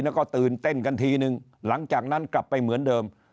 แล้วก็ตื่นเต้นกันทีนึงหลังจากนั้นกลับไปเหมือนเดิม